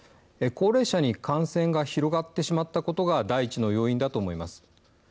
高齢者に感染が広がってしまったことが第一の要因だと思います。